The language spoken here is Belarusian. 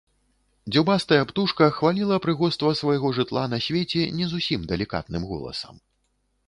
Дзюбастая птушка хваліла прыгоства свайго жытла на свеце не зусім далікатным голасам.